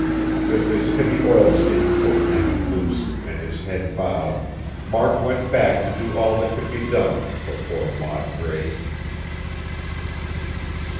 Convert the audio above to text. With his heavy oilskin coat hanging loose, and his head bowed, Mark went back to do all that could be done for poor Maud Grace.